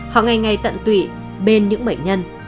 họ ngày ngày tận tụy bên những bệnh nhân